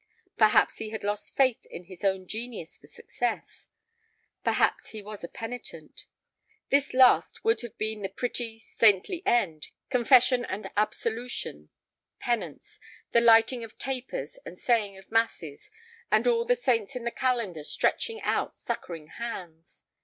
Perhaps he had lost faith in his own genius for success. Perhaps he was penitent. This last would have been the pretty, saintly end, confession and absolution, penance, the lighting of tapers and saying of masses, and all the saints in the calendar stretching out succoring hands.